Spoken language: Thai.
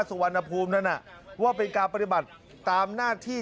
สุวรรณภูมินั้นว่าเป็นการปฏิบัติตามหน้าที่